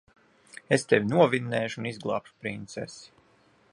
Es tevi novinnēšu un izglābšu princesi.